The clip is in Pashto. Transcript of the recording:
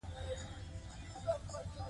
د شاعر د شعر پیغام او انګیزه